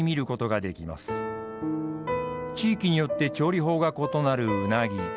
地域によって調理法が異なるうなぎ。